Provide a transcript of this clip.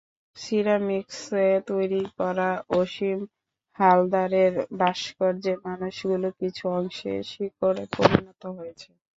সিরামিকসে তৈরি করা অসীম হালদারের ভাস্কর্যে মানুষগুলোর কিছু অংশ শিকড়ে পরিণত হয়েছে।